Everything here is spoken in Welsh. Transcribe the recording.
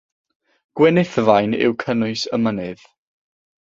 Gwenithfaen yw cynnwys y mynydd.